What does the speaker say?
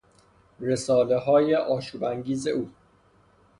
رسالههای آشوب انگیز او